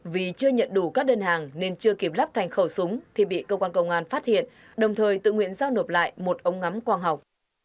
vì chưa nhận đủ các đơn hàng nên chưa kịp lắp thành khẩu súng thì bị cơ quan công an phát hiện đồng thời tự nguyện giao nộp lại một ống ngắm quang học